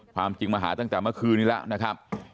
ความจริงมาหาตั้งแต่เมื่อคืนนี้แล้วนะครับ